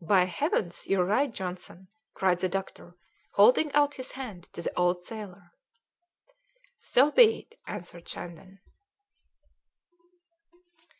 "By heavens! you are right, Johnson!" cried the doctor, holding out his hand to the old sailor. "So be it," answered Shandon.